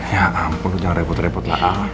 ya ampun jangan repot repot lah